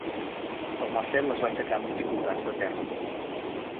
El Marcel es va aixecar amb dificultats de terra.